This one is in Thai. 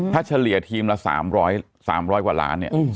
ถ้าเฉลี่ยทีมละ๓๐๐๓๐๐กว่าล้านเนี่ย